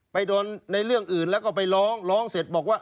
ไปโดนในเรื่องอื่นแล้วก็ไปร้องร้องเสร็จบอกว่า